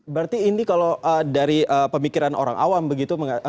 berarti ini kalau dari pemikiran orang awam begitu